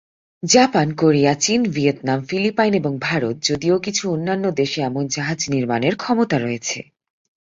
Japan, Korea, চীন, Vietnam, Philippines এবং ভারত, যদিও কিছু অন্যান্য দেশে এমন জাহাজ নির্মাণের ক্ষমতা রয়েছে।